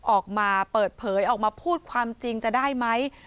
ออกมาเปิดเผยออกมาพูดความจริงจะได้ไหม